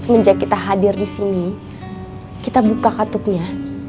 semenjak kita hadir di sini kita buka katupnya